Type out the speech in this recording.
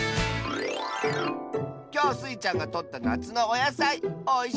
きょうスイちゃんがとったなつのおやさい。